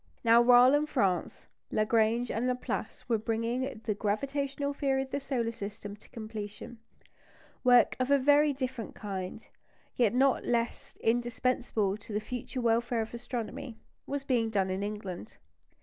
Now, while in France Lagrange and Laplace were bringing the gravitational theory of the solar system to completion, work of a very different kind, yet not less indispensable to the future welfare of astronomy, was being done in England.